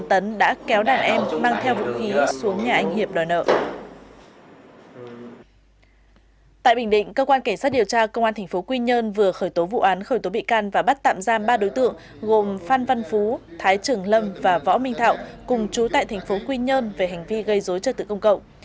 theo hình định cơ quan kẻ sát điều tra công an tp quy nhơn vừa khởi tố vụ án khởi tố bị can và bắt tạm giam ba đối tượng gồm phan văn phú thái trường lâm và võ minh thạo cùng trú tại tp quy nhơn về hành vi gây dối trật tự công cộng